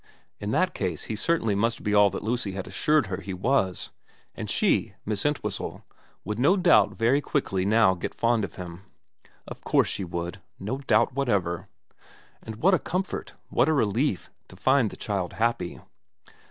In that case he certainly must be all that Lucy had assured her he was, and she, Miss Entwhistle, would no doubt very quickly now get fond of him. Of course 294 VERA XXVI she would. No doubt whatever. And what a comfort, what a relief, to find the child happy.